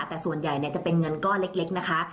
แต่ส่วนใหญ่จะเป็นเงินก้อนเล็กนะคะ